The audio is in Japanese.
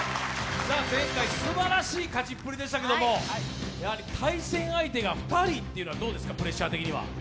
前回、すばらしい勝ちっぷりでしたけど、やはり対戦相手が２人っていうのはどうですか、プレッシャー的には。